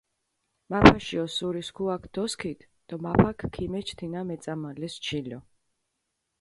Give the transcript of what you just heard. მაფაში ოსურისქუაქ დოსქიდჷ დო მაფაქ ქიმეჩჷ თინა მეწამალეს ჩილო.